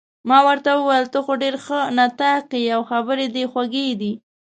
ما ورته وویل: ته خو ډېر ښه نطاق يې، او خبرې دې خوږې دي.